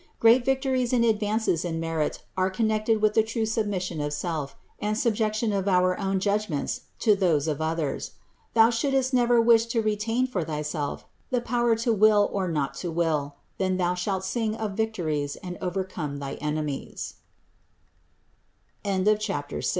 Great victories and advances in merit are connected with the true submission of self and subjection of our own judgments to those of others. Thou shouldst never wish to retain for thyself the power to will or not to will : then thou shalt sing of victories and over